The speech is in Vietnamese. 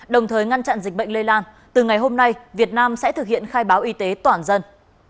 đồng thời ngăn chặn dịch bệnh lây lan từ ngày hôm nay việt nam sẽ thực hiện khai báo y tế toàn dân